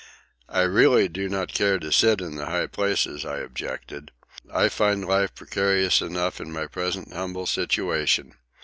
"I really do not care to sit in the high places," I objected. "I find life precarious enough in my present humble situation.